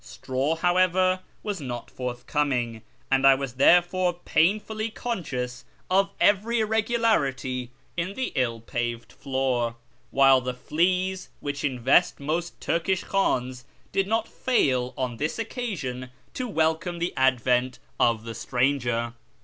Straw, however, was not forth coming, and I was therefore painfully conscious of every irregularity in the ill paved floor ; while the fleas which invest most Turkish khdns did not fail on this occasion to welcome the advent of the stranger.